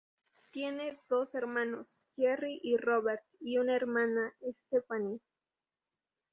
Tiene dos hermanos, Jerry y Robert y una hermana, Stephanie.